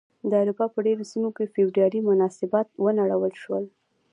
د اروپا په ډېرو سیمو کې فیوډالي مناسبات ونړول شول.